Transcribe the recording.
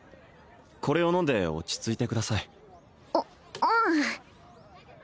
これを飲んで落ち着いてください